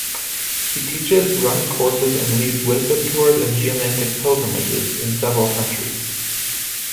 He teaches, runs courses and leads wisdom tours and geomantic pilgrimages in several countries.